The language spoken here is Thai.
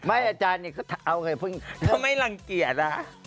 ไม่อาจารย์นี่เขาไม่รังเกียจ